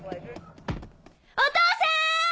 お父さん！